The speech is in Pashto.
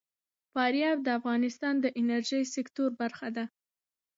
فاریاب د افغانستان د انرژۍ سکتور برخه ده.